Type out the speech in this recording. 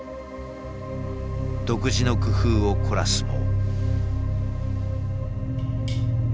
独自の工夫を凝らすも。